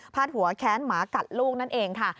หัวแค้นหมากัดลูกนั่นเองค่ะ